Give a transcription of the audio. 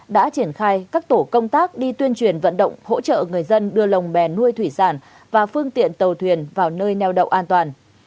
đã triển khai các tổ công tác đi tuyên truyền vận động hỗ trợ người dân đưa lồng bè nuôi thủy sản và phương tiện tàu thuyền vào nơi neo đậu an toàn